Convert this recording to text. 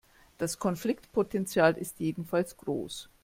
Das Konfliktpotenzial ist jedenfalls groß.